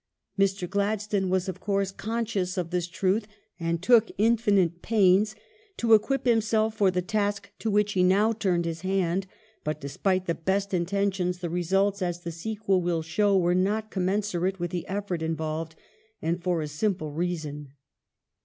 ^ Mr. Glad stone was of course conscious of this truth, and took infinite pains to equip himself for the task to which he now turned his hand, but, despite the best intentions, the results, as the sequel will show, were not commensurate with the efFolrt involved ; and for a simple reason.